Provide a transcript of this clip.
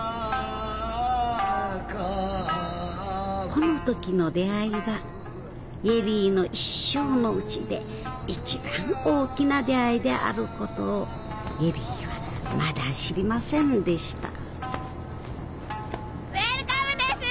この時の出会いが恵里の一生のうちで一番大きな出会いであることを恵里はまだ知りませんでしたウエルカムです！